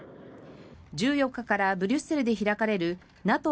１４日からブリュッセルで開かれるＮＡＴＯ